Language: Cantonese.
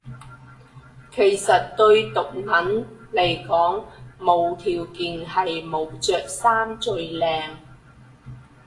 其實對毒撚嚟講無條件係冇着衫最靚